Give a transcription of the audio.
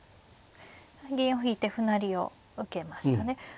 銀を引いて歩成りを受けましたね。